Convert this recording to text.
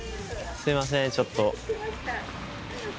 すいませんちょっと。